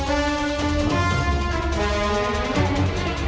tidak ada yang bisa dihukum